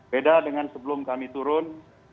beda dengan sebelum kami turun